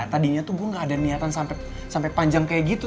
tadinya tuh bu gak ada niatan sampai panjang kayak gitu